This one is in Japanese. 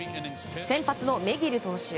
先発のメギル投手。